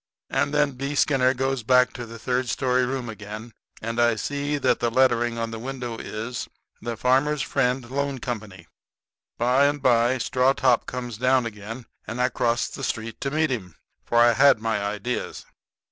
And then B. Skinner goes back up to the third story room again, and I see that the lettering on the window is "The Farmers' Friend Loan Company." By and by Straw top comes down again, and I crossed the street to meet him, for I had my ideas.